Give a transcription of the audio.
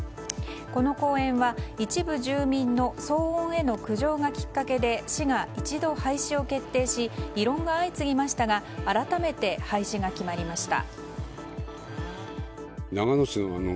この公園は、一部住民の騒音への苦情がきっかけで市が一度、廃止を決定し異論が相次ぎましたが改めて廃止が決まりました。